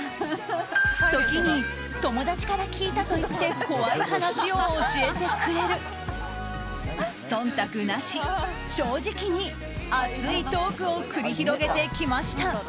時に、友達から聞いたと言って怖い話を教えてくれる忖度なし、正直に熱いトークを繰り広げてきました。